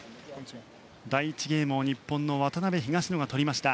第１ゲームを日本の渡辺、東野が取りました。